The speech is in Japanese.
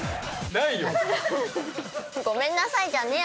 「ごめんなさい」じゃねえわ！